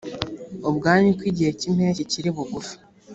ubwanyu ko igihe cy impeshyi kiri bugufi